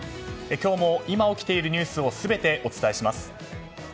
今日も今起きているニュースを全てお伝えします。